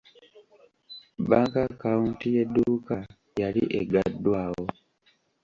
Banka akawunti y'edduuka yali eggaddwawo.